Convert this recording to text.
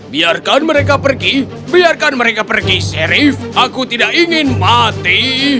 biarkan mereka pergi biarkan mereka pergi sherif aku tidak ingin mati